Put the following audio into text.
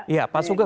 ya pak sugeng